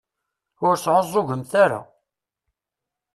Ur sεuẓẓugemt ara.